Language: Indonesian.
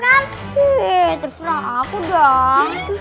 hee terserah aku dong